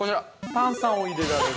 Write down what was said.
炭酸を入れられる。